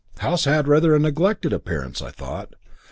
House had rather a neglected appearance, I thought.